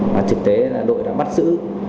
và thực tế là đội đã bắt giữ